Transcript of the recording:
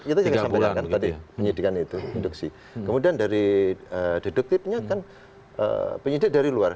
itu juga disampaikan tadi penyidikan itu induksi kemudian dari deduktifnya kan penyidik dari luar